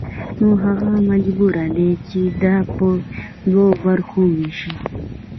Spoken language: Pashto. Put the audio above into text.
نو هغه مجبور دی چې دا په دوو برخو ووېشي